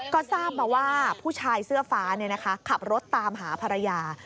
ก็ทราบมาว่าผู้ชายเสื้อฟ้าขับรถตามหาภรรยา